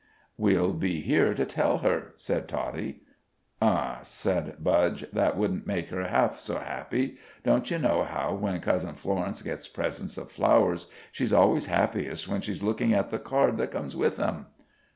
"We'll be here to tell her," said Toddie. "Huh!" said Budge; "That wouldn't make her half so happy. Don't you know how when cousin Florence gets presents of flowers, she's always happiest when she's lookin' at the card that comes with 'em?"